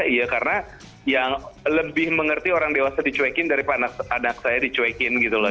iya karena yang lebih mengerti orang dewasa dicuekin daripada anak saya dicuekin gitu loh